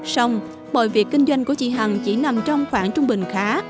xong mọi việc kinh doanh của chị hằng chỉ nằm trong khoảng trung bình khá